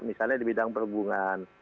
misalnya di bidang perhubungan